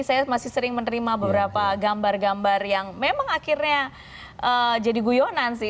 saya masih sering menerima beberapa gambar gambar yang memang akhirnya jadi guyonan sih